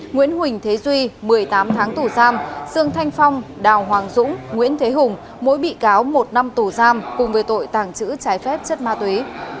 nguyễn huỳnh thế duy một mươi tám tháng tù giam dương thanh phong đào hoàng dũng nguyễn thế hùng mỗi bị cáo một năm tù giam cùng với tội tàng trữ trái phép chất ma túy